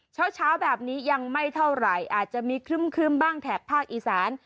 เช้าแบบนี้ยังไม่เท่าไหร่อาจจะมีครึ่มบ้างแถบภาคอีสาน